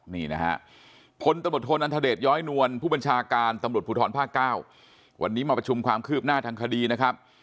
นี่นะฮะพศอันทเดชย้อยนวลผู้บัญชาการตผุทธรภ๙วันนี้มาประชุมความคืบหน้าทางคดีนะครับ